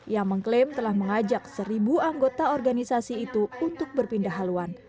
yang mengklaim telah mengajak seribu anggota organisasi itu untuk berpindah haluan